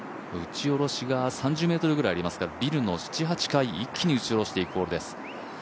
打ち下ろしが３０ｍぐらいありますからビルの７８階一気に打ち下ろしていくホールです。